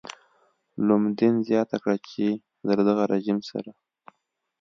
لومدین زیاته کړه زه له دغه رژیم سره.